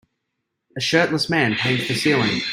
A shirtless man paints the ceiling.